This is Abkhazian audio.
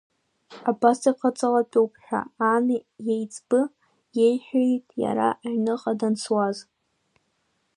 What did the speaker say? Абас иҟаҵалатәуп ҳәа ани иеиҵбы иеиҳәеит иара аҩныҟа данцуаз.